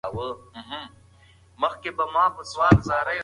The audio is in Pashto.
هغه کتاب چې ګټور دی لټوم.